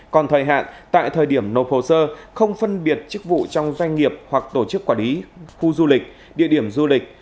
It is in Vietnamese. còn thời hạn tại thời điểm nộp hồ sơ không phân biệt chức vụ trong doanh nghiệp hoặc tổ chức quản lý khu du lịch địa điểm du lịch